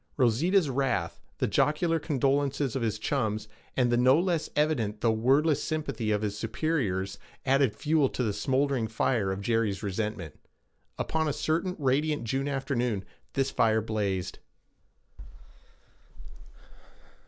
Rosita's wrath, the jocular condolences of his chums, and the no less evident though wordless sympathy of his superiors added fuel to the smouldering fire of Jerry's resentment. Upon a certain radiant June afternoon this fire blazed.